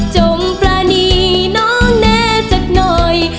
จงปรานีน้องแน่สักหน่อย